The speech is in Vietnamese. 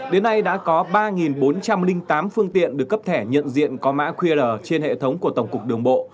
đến nay đã có ba bốn trăm linh tám phương tiện được cấp thẻ nhận diện có mã qr trên hệ thống của tổng cục đường bộ